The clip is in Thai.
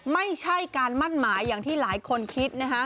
ไม่ใช่การมั่นหมายอย่างที่หลายคนคิดนะฮะ